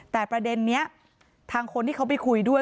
แต่ประเด็นนี้ทางคนที่เขาไปคุยด้วย